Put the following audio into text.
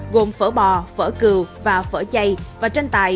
gồm phở bò phở cừu và phở chay và tranh tài